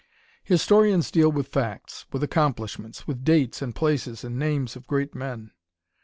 "Historians deal with facts, with accomplishments, with dates and places and the names of great men.